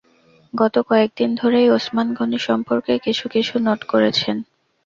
গত কয়েকদিন ধরেই ওসমান গনি সম্পর্কে কিছু-কিছু নোট করেছেন।